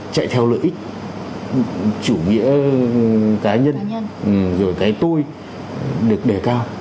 chạy theo lợi ích chủ nghĩa cá nhân rồi cái tôi được đề cao